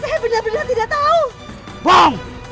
siapa yang punya pusaka nogomu